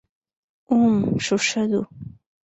উম, সুস্বাদু।